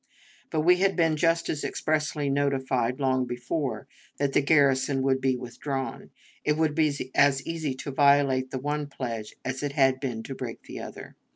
But we had been just as expressly notified, long before, that the garrison would be withdrawn. It would be as easy to violate the one pledge as it had been to break the other.